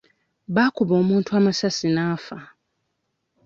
Baakuba omuntu amasasi n'afa..